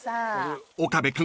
［岡部君